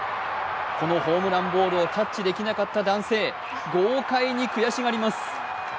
このホームランボールをキャッチできなかった男性、豪快に悔しがります。